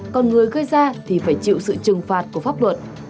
còn người gây ra thì phải chịu sự trừng phạt của pháp luật